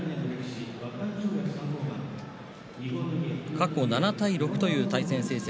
過去７対６という対戦成績